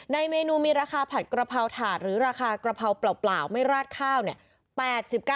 เมนูมีราคาผัดกระเพราถาดหรือราคากระเพราเปล่าไม่ราดข้าวเนี่ย